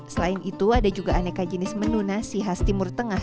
selain itu ada juga aneka jenis menu nasi khas timur tengah